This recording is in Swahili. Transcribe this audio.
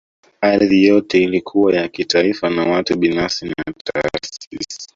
Ardhi yote ilikuwa ya kitaifa na watu binafsi na taasisi